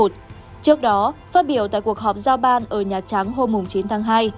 trước đó phát biểu tại cuộc họp giao ban ở nhà trắng hôm chín tháng hai